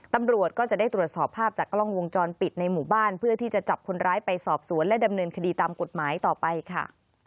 ตำรวจก็จะได้ตรวจสอบภาพจากกล้องวงจรปิดในหมู่บ้านเพื่อที่จะจับคนร้ายไปสอบสวนและดำเนินคดีตามกฎหมายต่อไปค่ะ